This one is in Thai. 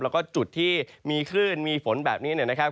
และก็จุดที่มีคลื่นมีฝนแบบนี้นะครับ